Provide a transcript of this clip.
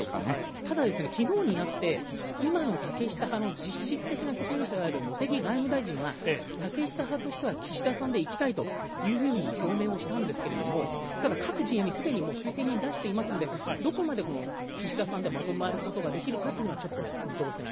ただ、きのうになって、今の竹下派の実質的な責任者である茂木外務大臣が竹下派としては岸田さんでいきたいというふうに表明をしたんですけれども、ただ、各陣営にすでに推薦人を出していますのでどこまで岸田さんでまとまることができるかというのはちょっと見通せない。